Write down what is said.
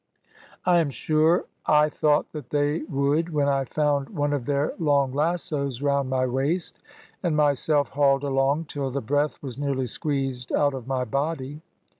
"I am sure I thought that they would when I found one of their long lassos round my waist, and myself hauled along till the breath was nearly squeezed out of my body.